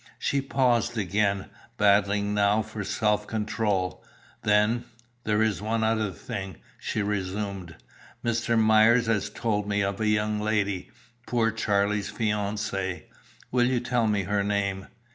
She paused again, battling now for self control; then "There is one other thing," she resumed. "Mr. Myers has told me of the young lady, poor Charlie's fiancée. Will you tell me her name?